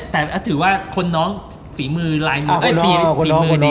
แต่ถือว่าคนน้องฝีมือดีกว่า